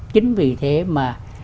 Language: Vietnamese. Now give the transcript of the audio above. chính vì thế mà